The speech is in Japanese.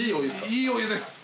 いいお湯っすか？